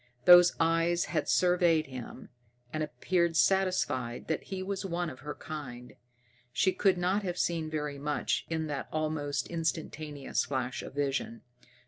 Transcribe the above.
Those eyes had surveyed him, and appeared satisfied that he was one of her kind. She could not have seen very much in that almost instantaneous flash of vision.